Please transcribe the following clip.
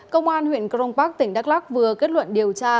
công an huyện crong park tỉnh đắk lắc vừa kết luận điều tra